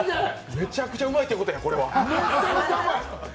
めちゃくちゃうまいってことやこれは！